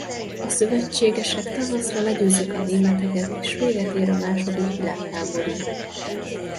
A szövetségesek tavaszra legyőzik a németeket és véget ér a második világháború.